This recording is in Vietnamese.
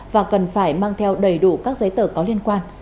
và cần phải mang theo đầy đủ các giấy tờ có liên quan